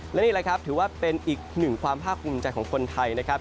และนี่แหละครับถือว่าเป็นอีกหนึ่งความภาคภูมิใจของคนไทยนะครับ